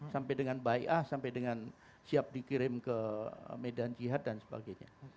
sampai dengan baikah sampai dengan siap dikirim ke medan jihad dan sebagainya